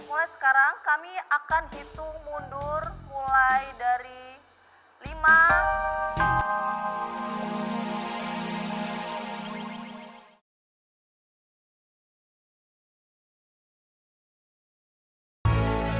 waktunya telah habis